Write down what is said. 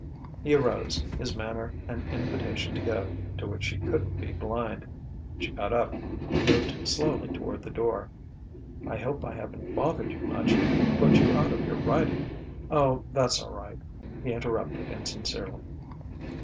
He arose, his manner an invitation to go, to which she couldn't be blind. She got up, moved slowly toward the door. "I hope I haven't bothered you much put you out of your writing " "Oh, that's all right," he interrupted insincerely.